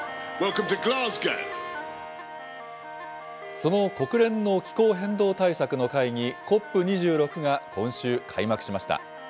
その国連の気候変動対策の会議、ＣＯＰ２６が今週、開幕しました。